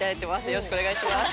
よろしくお願いします。